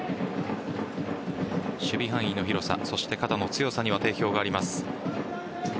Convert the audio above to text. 守備範囲の広さそして肩の強さには定評があります。